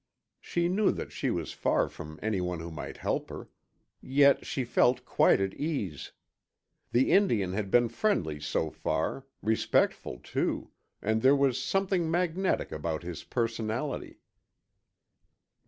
She knew that she was far from anyone who might help her. Yet she felt quite at ease. The Indian had been friendly so far, respectful too, and there was something magnetic about his personality.